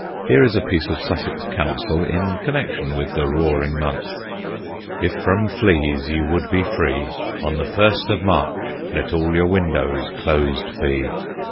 Here is a piece of Sussex counsel in connection with the roaring month: If from fleas you would be free, On the first of March let all your windows closed be.